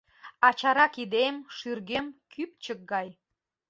А чара кидем, шӱргем — кӱпчык гай.